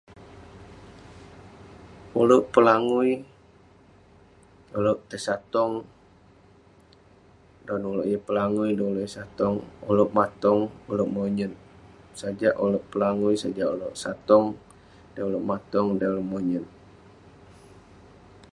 Uleuk pelangui, uleuk tai satong, dan uleuk yeng pelangui, dan uleuk yeng satong, uleuk matong, uleuk monyut. Sajak uleuk pelangui, sajak uleuk satong dey uleuk matong dey uleuk monyut.